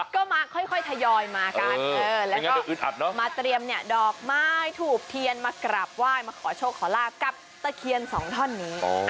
ก็มาค่อยทยอยมากันแล้วก็มาเตรียมดอกไม้ถูกเทียนมากราบไหว้มาขอโชคขอลาบกับตะเคียนสองท่อนนี้